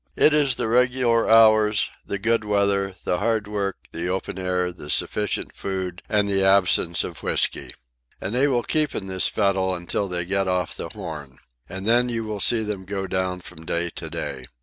"It is the regular hours, the good weather, the hard work, the open air, the sufficient food, and the absence of whisky. And they will keep in this fettle until they get off the Horn. And then you will see them go down from day to day.